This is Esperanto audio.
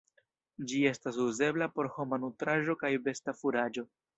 Ĝi estas uzebla por homa nutraĵo kaj besta furaĝo.